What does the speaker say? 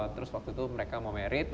terus waktu itu mereka mau merit